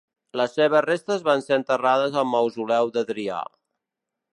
Les seves restes van ser enterrades al Mausoleu d'Adrià.